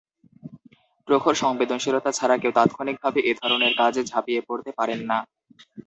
প্রখর সংবেদনশীলতা ছাড়া কেউ তাৎক্ষণিকভাবে এ ধরনের কাজে ঝাঁপিয়ে পড়তে পারেন না।